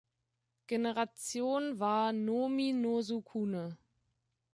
Generation war "Nomi-no-Sukune".